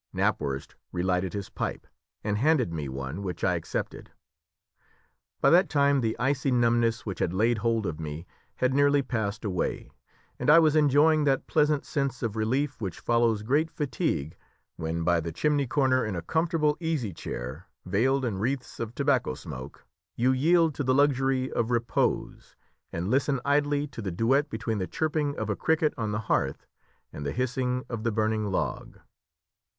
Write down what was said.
Knapwurst relighted his pipe, and handed me one, which I accepted. By that time the icy numbness which had laid hold of me had nearly passed away, and I was enjoying that pleasant sense of relief which follows great fatigue when by the chimney corner in a comfortable easy chair, veiled in wreaths of tobacco smoke, you yield to the luxury of repose, and listen idly to the duet between the chirping of a cricket on the hearth and the hissing of the burning log.